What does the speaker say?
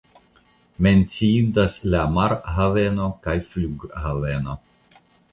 Menciindas la marhaveno kaj flughaveno.